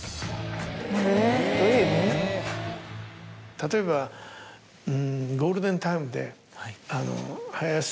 例えばゴールデンタイムで。